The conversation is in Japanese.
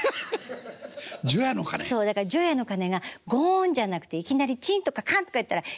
そうだから除夜の鐘がゴンじゃなくていきなりチンとかカンとかいったら変でしょ？